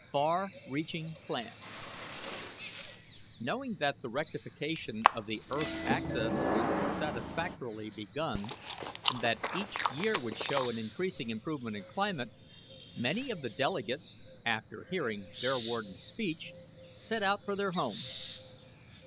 FAR REACHING PLANS. Knowing that the rectification of the earth's axis was satisfactorily begun, and that each year would show an increasing improvement in climate, many of the delegates, after hearing Bearwarden's speech, set out for their homes.